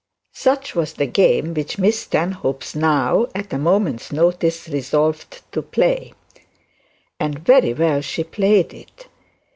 Such was the game which Miss Stanhope now at a moment's notice resolved to play. And very well she played it.